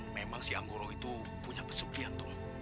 memang si anggoro itu punya pesukian tung